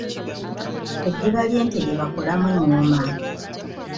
Eddiba ly'ente lye bakolamu engoma.